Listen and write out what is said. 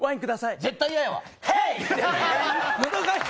絶対嫌やわ！